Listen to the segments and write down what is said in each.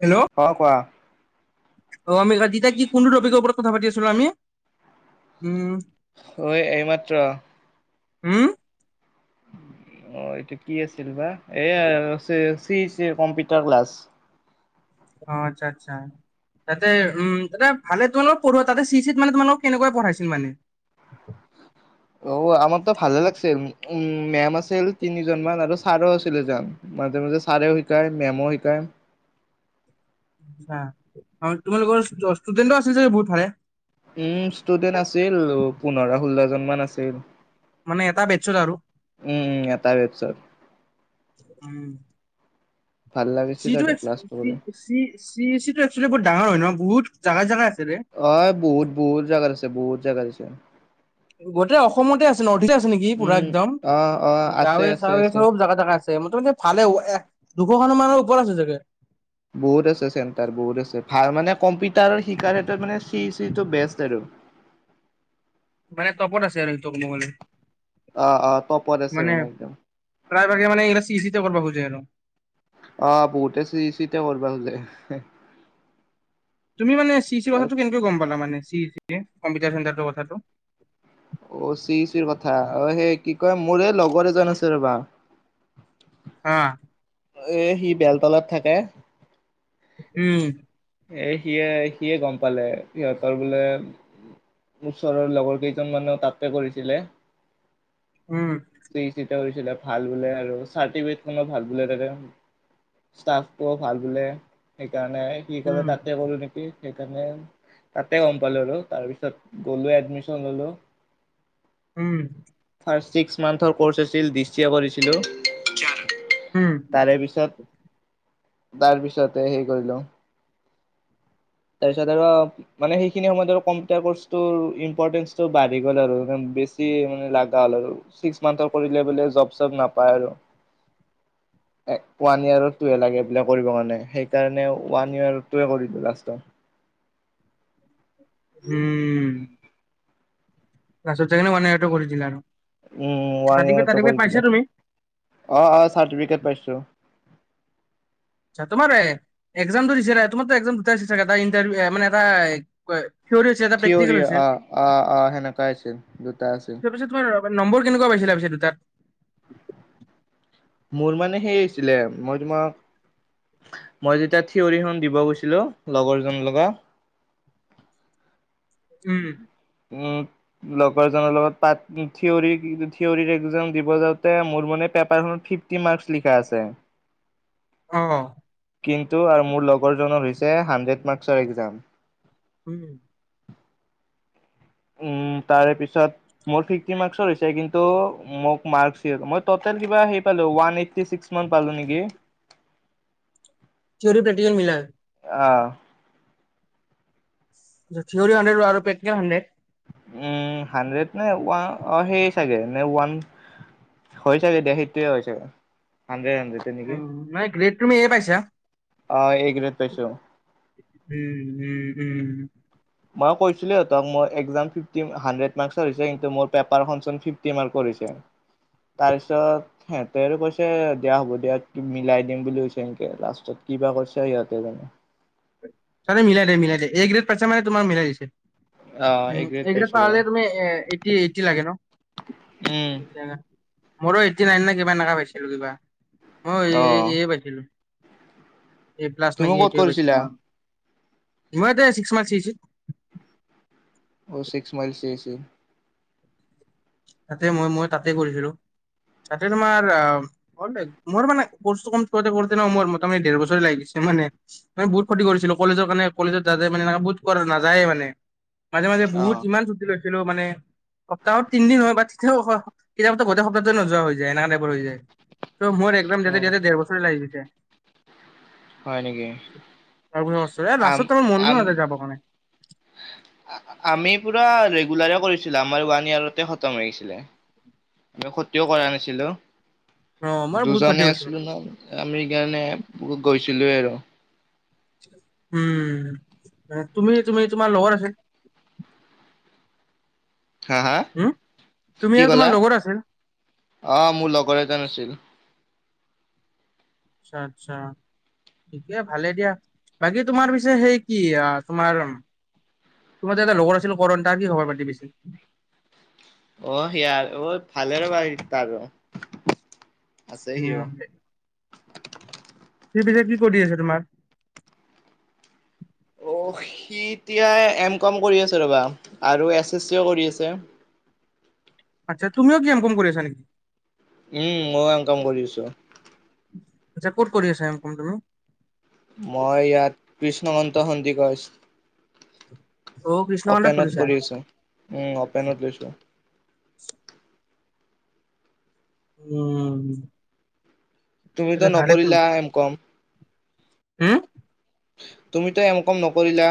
Hello অঁ' কোৱা? অ আমি তেতিয়া কি কোনটো টপিকৰ ওপৰত কথা পাতি আছিলো আমি? উম'- অ' এ এইমাত্ৰ। হুওম? অঁ' এইটো কি আছিল বা? এইয়া চে চি চি কম্পিউটাৰ ক্লাছ। অঁ আৎচ্ছা আৎচ্ছা। তাতে উম তাতে ভালে তোমালোকক পঢ়োৱা তাতে চি চিত মানে তোমালোকক কেনেকৈ পঢ়াইছিল মানে? অও আমাৰতো ভালে লাগিছিল, উম' মেম আছিল তিনিজনমান আৰু ছাৰো আছিল এজন। মাজে মাজে চাৰেও শিকায় মেমো শিকায়। আঁ, তোমালোকৰ ষ্টুডেনণ্টো আছিল চাগে বহুত ভালে। উম' ষ্টুডেন্ট আছিল পোন্ধৰ ষোল্লজনমান আছিল। মানে এটা বেটছত আৰু উম' উম' এটা বেটছত। উম'। ভাল চি লাগিছিল টো আৰু ক্লাছটো কৰি চি চি টো এক্সুৱেলী বহুত ডাঙৰ হয় ন বহুত জাগাই জাগাই আছে ৰে। অ' বহুত বহুত জাগাত আছে বহুত জাগাত আছে। গোটেই অসমতে আছে নৰ্থ ইষ্টতে আছে নেকি পুৰা উম একদম, অ অ আছে আছে গাঁৱে-চাঁৱে আছে চব জাগা জাগা আছে। আছে। মোটামুটি ভালে এক দুশখন মানৰ ওপৰত আছে চাগে? বহুত আছে চেণ্টাৰ বহুত আছে, ভাল মানে কম্পিউটাৰ শিকাৰ এটা মানে চি চিটো বেষ্ট আৰু। [inaudible] মানে টপত আছে আৰু এইটো ক'ব গ'লে, অ', অ', টপত আছে মানে- একদম প্ৰাইভাগে মানে এইগিলা চি চি তে কৰিব খোজে আৰু। অ' বহুতে চি চি তে কৰবা খোজে। তুমি মানে চি চি আৰু কথাটো কেনেকৈ গ'ম পালা মানে চি চি কম্পিউটাৰ চেণ্টাৰটোৰ কথাটো। অ' চি চিৰ কথা অ' সেই কি কয় মোৰ এই লগৰ এজন আছে ৰ'বা। অ' এই সি বেলতলাত থাকে। উম। এই সিয়েই সিয়েই গ'ম পালে সিহঁতৰ বোলে ওচৰৰ লগৰ কেইজন মানেও তাতে কৰিছিলে। উম। চি চি তে কৰিছিলে ভাল বোলে আৰু চাৰ্টিফিকেট খনো ভাল বোলে তাতে। ষ্টাফটোও ভাল বোলে সেইকাৰণে সি ক'লে উম তাতে কৰোঁ নেকি? সেই সেইকাৰণে তাতে গ'ম পালোঁ আৰু তাৰ পিছত গলোঁ এডমিশ্যন ললোঁ। উম। ফাৰ্ষ্ট ছিক্স মান্থৰ ক'ৰ্চ আছিল ডি চি এ কৰিছিলোঁ। উম তাৰে পিছত তাৰ পিছতে হেই কৰিলোঁ। তাৰপিছত আৰু মানে সেইখিনি সময়ত আৰু কম্পিউটাৰ কৰ্চটোৰ ইম্পৰটেন্টচটো বাঢ়ি গ'ল আৰু বেছি মানে লগা হ'ল আৰু ছিক্স মান্থৰ কৰিলে বোলে জব্দ চব্দ নাপায় আৰু [inaudible] ওৱান ইয়াৰৰ টোৱে লাগে বোলে কৰিব কাৰণে সেইকাৰণে ওৱান ইয়াৰৰ টোৱে কৰিলোঁ লাষ্টত। উম। লাষ্টত যায় কিনে ওৱান ইয়েৰৰ টোৰ কৰি দিলে আৰু উম ওৱান চাৰ্টিফিকেট ইয়াৰটো কৰি তাৰ্টিফিকেট দিলো পাইছা তুমি? অ' অ' চাৰ্টিফিকেট পাইছোঁ। তোমাৰ এক্সামটো দিছিলা। তোমাৰটো এক্সাম দুটা হৈছিল চাগে এটা ইণ্টাৰভিউ মানে এটা কি কয় থিয়ৰি হৈছে এটা থিয়ৰি অ' অ' অ' সেনেকুৱাই আছিল দুটা আছিল। তাৰপিছত তোমাৰ নম্বৰ কেনেকুৱা পাইছিলা পিছে দুটাত? মোৰ মানে সেই হৈছিলে। মই তোমাক মই যেতিয়া থিয়ৰি খন দিব গৈছিলোঁ লগৰ জনৰ লগত উম। উম। লগৰজনৰ লগত পাট থ্ৰিয়ৰি থ্ৰিয়ৰি এক্সাম দিব যাওঁতে মোৰ মানে পেপাৰখনত ফ্ৰিফট ফ্ৰিফটি মাৰ্কছ লিখা আছে। অ' কিন্তু আৰু মোৰ লগৰজনৰ হৈছে হাণ্ড্ৰেড মাৰ্কচৰ এক্সাম। উম। উম, তাৰেপিছত। মোৰৰ ফ্ৰিফটি মাৰ্ক্সৰ হৈছে। কিন্তু মোক মাৰ্কচিত টুটেল হাৰি পালোঁ ওৱান এইটি ছিক্স। মান পালোঁ নেকি? থ্ৰিয়ৰি, প্ৰেক্টিকেল মিলায়। আহ থ্ৰিয়ৰি হাণ্ড্ৰেড আৰু প্ৰেক্টিকেল হাণ্ড্ৰেড। উম, হাণ্ড্ৰেড নে অ' ওৱান সেই চাগে নে ওৱান। হৈ চাগে দিয়া হেইটোৱে হৈ চাগে হাণ্ড্ৰেড হাণ্ড্ৰেড। নেকি উম, নাই গ্ৰেট তুমি এয়েই পাইছা। অ ', এ গ্ৰেড পাইছো। উম, উম, উম। মই কৈছিলো ত মোৰ, একজাম ফিফটি হাণ্ড্ৰেড মাৰ্ক্সৰ হৈছে কিন্তু পেপাৰখন চোন ফিফটি মাৰ্কৰ হৈছে। তাৰপিছত সিহতেই আৰু কৈছে দিয়া হ'ব দিয়া মিলাই দিম বুলি কৈছে এনকে লাষ্টত, কিবা কৰিছে সিহতে জানে। তাহাতি মিলাই দিয়ে, মিলাই দিয়ে, এ গ্ৰেড পাইছে মানে তোমাৰ মিলাই দিছে। অ' উম, এ গ্ৰেড পাইছো ৰবা। পালে তুমি এইটি-এইটি লাগে ন। উম, মোৰো এইতি নাইন নে কিবা এনেকুৱা পাইছিলো কিবা, মই এ, অ' এ, এ পাইছিলো। এ প্লাছ তুমি নেকি ক'ত এইটোৱে পাইছিলোঁ কৰিছিলা? মই, [unintelligible] চিক্স মাৰ্কছ আহিছিল। অ', চিক্স মাৰ্কছ আহিছিল। তাতে মই-মই তাতে কৰিছিলো, তাতে তোমাৰ আহ [unintelligible] মোৰ মানে কোৰ্চটো কমপ্লিট কৰোঁতে কৰোঁতে ন, মোৰ মানে দেৰ বছৰে লাগি গৈছে হয়নে। মান বহুত ফূৰ্তি কৰিছিলো কলেজৰ কাৰণে কলেজত যাতে [unintelligible] বুত কৰা নাযায়ে মানে। মাজে মাজে বহুত অ'। ইমান চুটি লৈছিলো মানে, সপ্তাহত তিনদিন হওক [unintelligible] কেতিয়াবাটো গোটেই সপ্তাহটোৱে নোযোৱা হৈ যায় এনেকা টাইপৰ হৈ যায়। ত' মোৰ অ' [unintelligible] দেৰ বছৰ [unintelligible] লাগি গৈছে। হয় নেকি? [unintelligible] মনো আম আম নাযায় যাবৰ কাৰণে। আমি পুৰা ৰেগুলাৰে কৰিছিলো, আমাৰ ওৱান ইয়াৰতে খতম হৈ গৈছিলে। খতিও কৰা নাছিলো, অ' মোৰ বহুত ক্ষতি দুজনে হৈছে। আছিলো নহ। আমি সেকাৰণে গৈছিলোৱে আৰু। উম, তুমি-তুমি তোমাৰ লগৰ আছে হা হা, উম, তুমি কি আৰু তোমাৰ কলা? লগৰ আছিল। অ', মোৰ লগৰ এজন আছিল। আচ্ছা আচ্ছা। ঠিকে ভালে দিয়া, বাকী তোমাৰ পিছে সেই কি তোমাৰ তোমাৰ যে এটা লগৰ আছিল কৰণ তাৰ কি খবৰ পাতি পিছে? অ', সেয়াৰ অ', [unintelligible] তাৰো। আছে সিও [unintelligible] সি পিছে কি কৰি আছে তোমাৰ? অ', সি এতিয়া এম কম কৰি আছে ৰ'বা আৰু এছ এছ চিও কৰি আছে। আতছা, তুমিও কি এম কম কৰি আছানি? উম, মইও এম কম কৰি আছো। আচ্ছা, ক'ত কৰি আছা এম কম তুমি? মই ইয়াত কৃষ্ণ মন্ত সন্দিকৈ। অ' কৃষ্ণকান্তত অ'পেনত কৰিছা। কৰি আছোঁ, উম অ'পেনত লৈছোঁ উম। তুমিতো তেনে ভালে নকৰিলা এম কম। হুম। তুমিতো এম ক'ম নকৰিলা।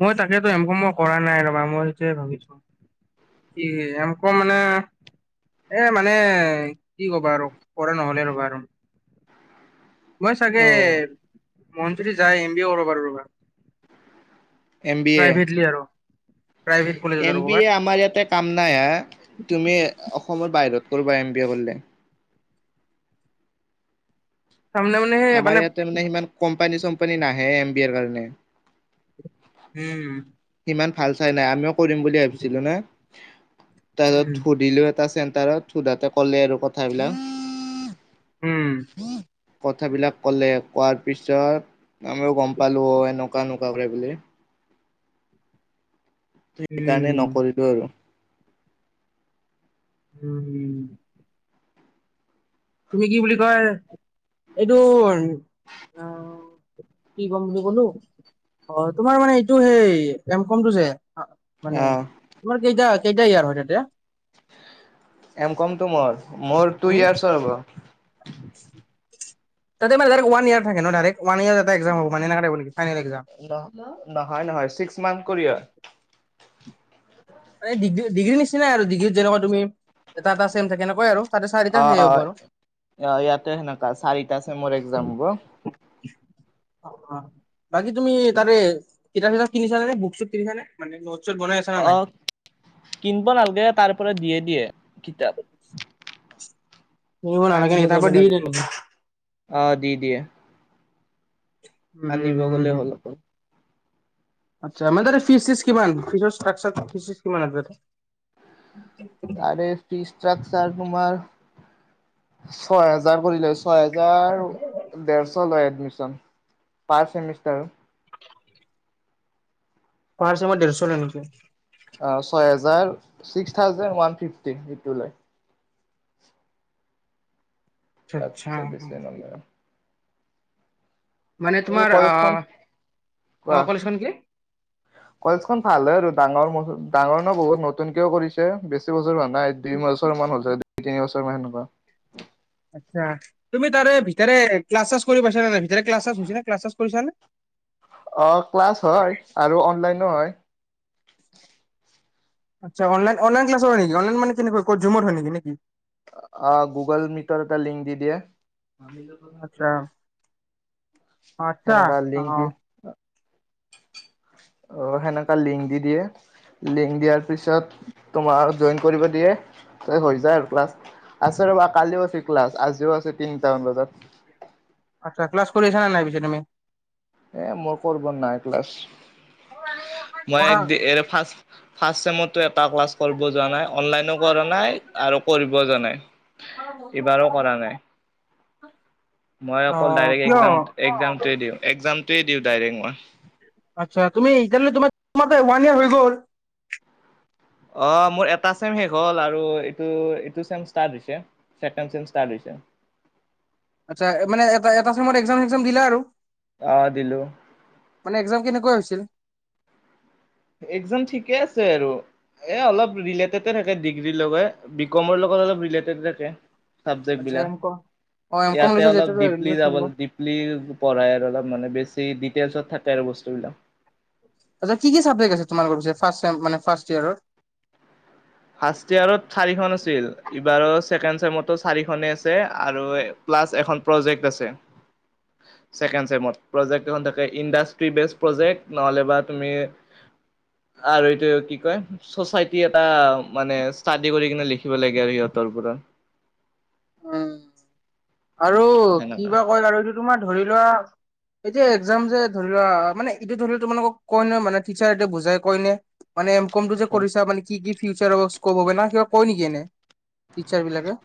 মই তাকেতো এম কম মই কৰা নাই ৰবা মই সেইটোয়ে ভাবিছো। কি এম কম মানে এ মানে কি কবা আৰু কৰা নহলে ৰ'বা আৰু। মই চাগে অ মন যদি যায়, এম বি এ কৰিব পাৰো ৰ'বা। এম বি এ, প্ৰাইভেটলি আৰু প্ৰাইভেট কলেজত এম আৰু বি ক'ৰবাত এ আমাৰ ইয়াতে কাম নাই হা, তুমি অসমৰ বাহিৰত কৰবা এম বি এ কৰিলে। কাম নাই মানে আমাৰ ইয়াতে মানে সিমান কোম্পানী-চোম্পানী নাহে এমবিএৰ কাৰণে। উম! সিমান ভাল চাই নাই আমিও কৰিম বুলি ভাবিছিলোঁ না। উম তাৰপিছত সুধিলো এটা চেণ্টাৰত সুধাতে ক'লে আৰু কথাবিলাক। [inaudible] উম! [inaudible] কথাবিলাক ক'লে কোৱাৰ পিছত আমিও গ'ম পালোঁ অ এনেকুৱা এনেকুৱাকে বুলি। সেই কাৰণে উম নকৰিলোঁ আৰু। উম, হুম! তুমি কি বুলি কয় এইটো অঁ অঁ! কি কম বুলি কলোঁ? অ! তোমাৰ মানে এইটো সেই এমকমটো যে অ মানে তোমাৰ কেইটা কেইটাই ইয়াৰ হয় তাতে? এমকমতো মোৰ, মোৰ টু উম ইয়েচৰ হ'ব। [inaudible] তাতে মানে ওৱান ইয়েৰ থাকে ন' ডাইৰেক্ট ওৱান ইয়েৰ এটা এক্সাম হ'ব মানে [unintelligible] ফাইনেল এক্সাম? [inaudible] ন নহয়-নহয় ছিক্স মানথ কৰি হয়। মানে ডিগ্ৰী ডিগ্ৰী নিচিনাই আৰু ডিগ্ৰীত যেনেকুৱা তুমি এটা-এটা ছেম থাকে তেনেকুৱাই আৰু। তাতে চাৰিটা সেই অ-অ! হ'ব আৰু অ ইয়াতে সেনেকা চাৰিটা ছেমৰ একজাম হ'ব। অঁ! বাকী তুমি তাতে কিতাপ-চিতাপ কিনিছা নে, বুক-চুক কিনিছা নে? মানে ন'ট-চ'ত বনাই আছে হয় অ নাই? কিনিব নালাগে তাৰ পৰা দিয়ে দিয়ে কিতাপ। [inaudible] কিনিব ঘাঁহ নালাগে আনিব নেকি তাৰ যাব পৰা দি দিয়ে লাগে। নেকি অ দি দিয়ে। [inaudible] আনিব উম উম গ'লেই উম। হ'ল অকল। আচ্ছা! মানে তাতে ফিছ-চিছ কিমান? ফিচৰ চাৰ্ট-চাচ, ফিছ-চিছ কিমান আছে তাত? আৰে ফিছ তাত আছে তোমাৰ ছয় হাজাৰ পৰিলে [inaudible] ছয় হেজাৰ ডেৰশ এডমিচন ফাৰ্ষ্ট ছেমিষ্টাৰৰ। ফাৰ্ষ্ট চেমৰ ডেৰশ লয় নেকি? অ! ছয় হাজাৰ ছিক্স থাউজেন্ট ওৱান ফিফটি সেইটো লয়। আচ্ছা আচ্ছা তাতচে বেছিকে নলয়। মানে এই তোমাৰ অ! কলেজখন কোৱা অ, কলেজখন কি? কলেজখন ভাল হয় আৰু ডাঙৰ, ডাঙৰ ন' বহুত নতুনকেও কৰিছে বেছি বছৰ হোৱা [unintelligible] নাই দুই বছৰ মান হৈছে দুই, তিনি বছৰমান সেনেকুৱা। আচ্ছা! তুমি তাৰে ভিতৰে ক্লাছ-চাল্লাচ কৰি পাইছা নে নাই ভিতৰে ক্লাছ-চাল্লাচ হৈছে নে ক্লাছ-ছাল্লাচ কৰিছা নে? অ! ক্লাছ হয় আৰু অনলাইনো হয়। আচ্ছা! অনলাইন, অনলাইন ক্লাছো হয় নেকি? অনলাইন মানে কেনেকৈ ক'ত ঝুমত হয় নেকি নে কি? অ! গুগল মিটৰ এটা লিংক দি দিয়ে। আচ্ছা! আচ্ছা, সেনেকা লিংক অঁ। দি অ! সেনেকা লিংক দি দিয়ে। লিংক দিয়াৰ পিছত তোমাৰ জইন কৰিব দিয়ে তাৰপিছত হৈ যায় আৰু ক্লাছ। আছে ৰ'বা কালিও আছোঁ ক্লাছ, আজিও আছে তিনিটামান বজাত। আচ্ছা! ক্লাছ কৰিছা নে নাই পিছে তুমি? এ মই কৰিব নাই ক্লাছ। মই কৰা এক দি এ ফাৰ্ষ্ট ফাৰ্ষ্টছেমতটো এটা ক্লাছ কৰিব যোৱা নাই, অনলাইনো কৰা নাই আৰু কৰিবও যোৱা নাই, এইবাৰো কৰা নাই। মই অ অকল ডাইৰেক্ট কিয় একাম একজামটোৱে দিওঁ, একজামটোৱে দিওঁ ডাইৰেক্ট মই। আচ্ছা, তুমি এতিয়ালে তোমাৰ মতে ওৱান ইয়েৰ হৈ গ'ল। অ', মোৰ এটা চেম শেষ হ'ল, আৰুটো এইটো, এইটো চেম ষ্টাৰ্ট হৈছে। চেকেণ্ড চেম ষ্টাৰ্ট হৈছে। আচ্ছা, মানে এটা এটা সময়ত একজাম চেকজাম দিলে আৰু। অ', দিলোঁ। মানে একজাম কেনেকুৱা হৈছিল? একজাম ঠিকে আছে আৰু। এ অলপ ৰিলেটেড থাকে ডিগ্ৰী লগত, বি কমৰ লগত অলপ ৰিলেটেড থাকে। চাবজেক্ট আচ্ছা বিলাক, এম কম অ এম কম ইয়াতে লৈছা অলপ যিহেতু ডিপলি ৰেলৱেত য থাকিব ডিপ্লী পঢ়ায় আৰু অলপ মানে বেছি ডিটেইলছত থাকে আৰু বস্তুবিলাক। আচ্ছা, কি কি চাবজেক্ট আছে তোমালোকৰ ফাৰ্ষ্ট চেম, মানে ফাৰ্ষ্ট ইয়েৰত। ফাৰ্ষ্ট ইয়েৰট চাৰিখন আছিল, এইবাৰ ছেকেণ্ড চেমতো চাৰিখনে আছে। আৰু প্লাছ এখন প্ৰজেক্ট আছে। [inaudible] ছেকেণ্ড চেমত, প্ৰজেক্ট এখন থাকে। ইণ্ডাষ্ট্ৰীজ প্ৰজেক্ট, নহ'লেবা তুমি আৰু এইটো কি কয়, চচাইটি এটা মানে ষ্টাডি কৰি কিনে, লিখিব লাগে আৰু সিহঁতৰ ওপৰত। উম আৰু কি বা সেনেকা কয়? আৰু এইটো তোমাৰ ধৰি লোৱা এতিয়া এক্জাম যে ধৰি লোৱা, মানে এইটো ধৰি লোৱা তোমোলোক কয় ন', মানে টিচাৰে এয়া বুজাই কয় নে! মানে এম কম টো যে কৰিছাঁ, মানে কি কি ফিউচাৰ স্কপ হ'ব, না কিবা কয় নেকি এনে? টিচাৰ বিলাকে।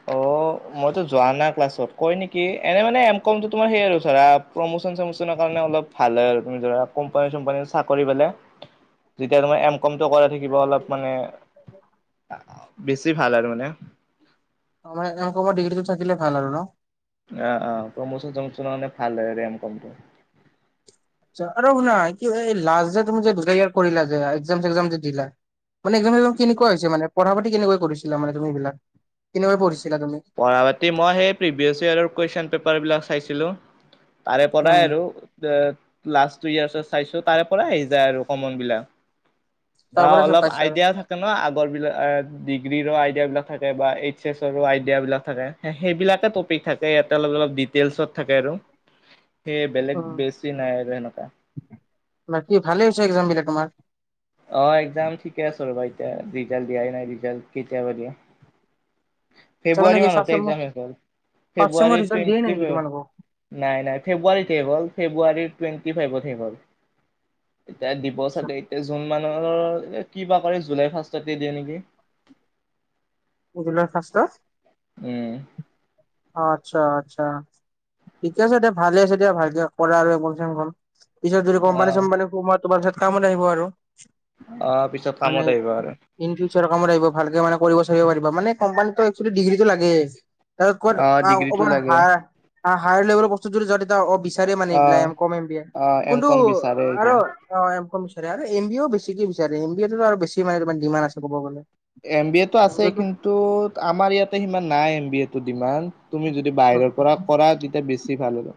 [inaudible] অ' মইতো যোৱা নাই ক্লাছত, কয় নেকি? এনে মানে এম কম তোমাৰ আৰু প্ৰমোচন চমোচনৰ কাৰণে অলপ ভাল হয় আৰু, তুমি ধৰা কোম্পানী চোম্পানী চাকৰি পালে, যেতিয়া তোমাৰ এ কামটো কৰা থাকিব, অলপ মানে বেছি ভাল আৰু মানে। অ', মানে মোক মোৰ ডিগ্ৰীটো থাকিলে ভাল আৰু ন'। অ', অ', প্ৰমোচন চমোচনৰ কাৰণে ভাল হয় আৰু ৰেম কমটো। আৰু শুনা কি হয়, এই লাষ্ট যে তুমি যে দুটা ইয়াৰ কৰিলা যে, একাম চেকজাম যে দি দিলা। মানে একজাম চেকজাম কেনেকুৱা হৈছে মানে, পঢ়া পাতি কেনেকুৱা কৰিছিলা মানে তুমি। এইবিলাক কেনেকুৱা পঢ়িছিলা তুমি! পঢ়া পাতি মই সেই প্ৰিভিয়াছ ইয়েৰ কুৱেশচন পেপাৰবিলাক চাইছিলোঁ, তাৰে পৰাই উম আৰু। লাষ্ট টু ইয়াৰ্চত চাইছোঁ, তাৰে পৰাই আহি যায় আৰু কমন বিলাক। তাৰ অ', পৰাই চব অলপ পাইছা আৰু আইডিয়া থাকে আগৰ বিলাক, ডিগ্ৰীৰো আইডিয়া বিলাক থাকে, বা এইচ এছৰো আয় বিলাক থাকে, সেইবিলাকে টপিক থাকে, অলপ অলপ ডিটেইলছত থাকে আৰু। সেই, বেলেগ উম বেছি নাই আৰু তেনেকুৱা। বাকী ভালেই হৈছে, এক্জাম বিলাক তোমাৰ। অ', একজাম ঠিকে আছ ৰ'বা, এতিয়া ৰিজাল্ট দিয়াই নাই, ৰিজাল্ট কেতিয়াবা দিয়ে। তাৰমানে ফেব্ৰুৱাৰী কি ফাৰ্ষ্ট মানতে চেমৰ একজাম শেষ হৈ গ'ল। ফাৰ্ষ্ট চেমৰ ফেব্ৰুৱাৰী ৰিজাল্ট দিয়ে নাই টুৱেটি নেকি ফ তোমালোকক? নাই নাই, ফেব্ৰুৱাৰীতে শেষ হ'ল। ফেব্ৰুৱাৰী টুৱেন্টি ফাইভতেই শেষ হ'ল। এতিয়া দিব চাগে, এতিয়া জুন মানৰ কি বা কৰে জুলাই ফাৰ্ষ্টতে দিয়ে নেকি? জুলাই ফাৰ্ষ্টত। উম্। অ আচ্ছা আচ্ছা ঠিকে আছে দে ভালে আছে দিয়া ভালকে কৰে আৰু [unintelligible] পিছত যদি অ কম্পানী-চোম্পানী সোমোৱা তোমাৰ পিছত কামত আহিব আৰু। অ পিছত মানে কামত আহিব আহিবা পাৰে। ইন ফিউচাৰৰ কামত আহিব। ভালকে মানে কৰিব-চৰিব পাৰিবা মানে কোম্পানীটো একচুৱেলি ডিগ্ৰীটো লাগে। তাত ক'ত আহ অ ডিগ্ৰীটো লাগে [unintelligible] হায়াৰ লেভেলৰ বস্তুত যদি তেতিয়া অ বিচাৰে মানে আহ এইবিলাক কম এম বি আহ এম কোনটো কম বিচাৰে আৰু এতিয়া অ এম কম বিছাৰে আৰু এম বি এও বেছিকে বিচাৰে এম বি এও আৰু বেছি মানে তাৰ ডিমাণ্ড আছে ক'ব গ'লে। এম বি এ টো আছে কিন্তু আমাৰ ইয়াতে সিমান নাই এম বি এ তো ডিমাণ্ড তুমি য যদি বাহিৰৰ পৰা কৰা তেতিয়া বেছি ভাল হ'ব।